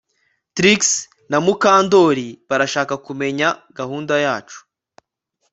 Trix na Mukandoli barashaka kumenya gahunda yacu